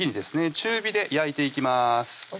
中火で焼いていきます